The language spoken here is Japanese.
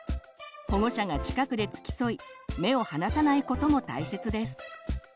保護者が近くでつきそい目を離さないことも大切です。